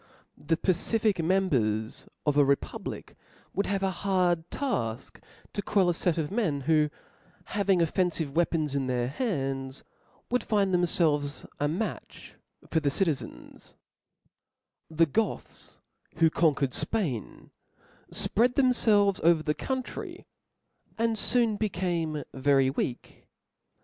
A a 4 the 36p T HE SPIRIT Book tbc pacific members of a republic would have ^ c^fp,)^^ hard talk to quell a fet of men, who having off fenfive weapons in their hands, would find themr felves a match for the citizens. The Goths, who conquered Spain, fpread them felves over the country, and foon became very weak.